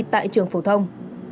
tại trường phổ thông